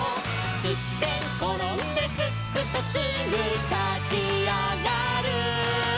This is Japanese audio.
「すってんころんですっくとすぐたちあがる」